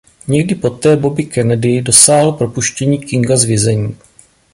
Někdy poté Bobby Kennedy dosáhl propuštění Kinga z vězení.